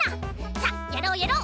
さっやろうやろう！